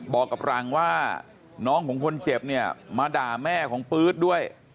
บอกกับรังว่าน้องของคนเจ็บเนี่ยมาด่าแม่ของปื๊ดด้วย